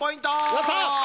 やった！